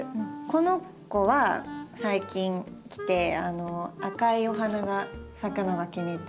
この子は最近来て赤いお花が咲くのが気に入ってます。